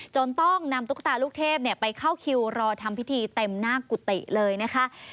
จนต้องนำตุ๊กตาลูกเทพไปเข้าคิวรอทำพิธีเต็มหน้ากุฏิเลยนะคะ